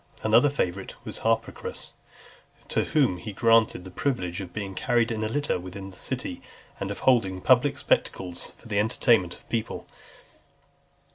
Another favourite was Harpocras, to whom he granted the privilege of being carried in a litter within the city, and of holding public spectacles for the entertainment of the people.